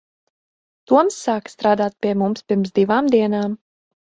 Toms sāka strādāt pie mums pirms divām dienām.